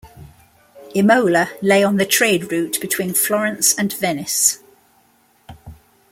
Imola lay on the trade route between Florence and Venice.